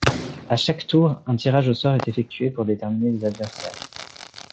À chaque tour, un tirage au sort est effectué pour déterminer les adversaires.